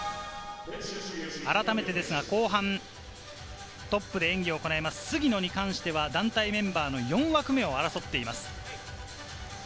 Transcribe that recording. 改めて後半トップで演技を行います杉野に関しては団体メンバーの４枠目を争っています。